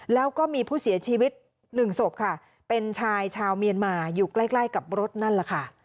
แล้วก็มีผู้เสียชีวิตหนึ่งศพค่ะเป็นชายชาวเมียนมาอยู่ใกล้ใกล้กับรถนั่นแหละค่ะ